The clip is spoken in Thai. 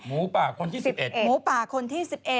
หมูป่าคนที่๑๑